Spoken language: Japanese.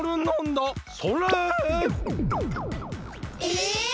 え！